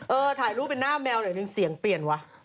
ถ่ายรูปเป็นหน้าแมวหน่อยหนึ่งเสียงเปลี่ยนวะ